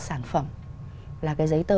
sản phẩm là cái giấy tờ